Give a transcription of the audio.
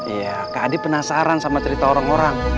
iya kak adi penasaran sama cerita orang orang